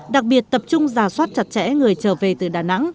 đặc biệt tập trung giả soát chặt chẽ người trở về từ đà nẵng